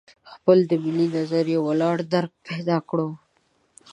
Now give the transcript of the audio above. خپل د ملي نظریه ولاړ درک پیدا کړو.